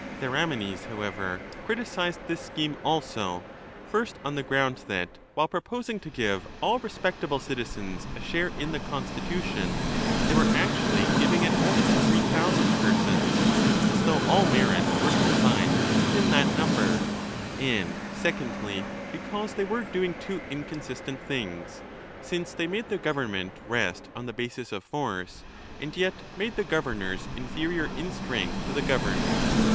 Theramenes, however, criticized this scheme * also, first on the ground that, while proposing to give all respectable citizens a share in the constitution, they were actually giving it only to three thousand persons, as though all merit were confined within that number; and secondly because they were doing two inconsistent things, since they made the government rest on the basis of force, and yet made the governors inferior in strength to the governed.